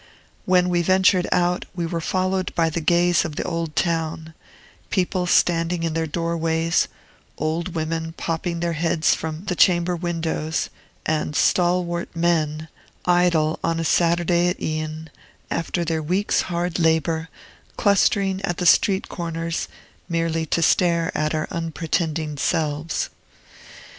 When we ventured out, we were followed by the gaze of the old town: people standing in their doorways, old women popping their heads from the chamber windows, and stalwart men idle on Saturday at e'en, after their week's hard labor clustering at the street corners, merely to stare at our unpretending selves.